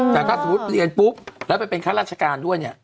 แต่ถ้าสมมุติเรียนปุ๊บแล้วไปเป็นข้าราชการด้วยเนี่ย